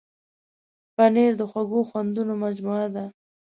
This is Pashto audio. پنېر د خوږو خوندونو مجموعه ده.